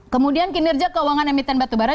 kemudian kinerja keuangan emiten batubara